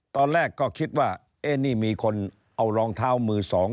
ตอนแรกก็คิดว่าเอ๊ะนี่มีคนเอารองเท้ามือสอง